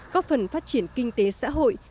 góp phần phát triển kinh tế xã hội